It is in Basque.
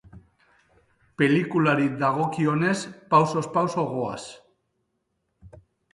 Pelikulari dagokionez, pausoz pauso goaz.